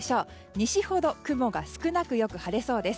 西ほど雲が少なくよく晴れそうです。